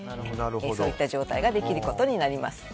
そういった状態ができることになります。